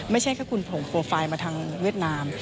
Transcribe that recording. ไม่ใช่แค่คุณผงโปรไฟล์มาทางเวียดนาม